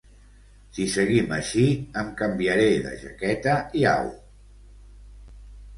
Si seguim així em canviaré de jaqueta i au.